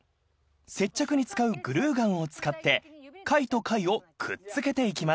［接着に使うグルーガンを使って貝と貝をくっつけていきます］